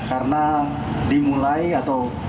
karena dimulai atau